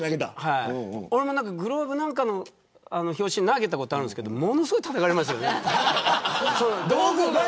俺もグローブ何かの拍子に投げたことあるんですけどものすごくたたかれました。